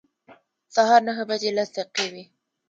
سهار نهه بجې لس دقیقې وې.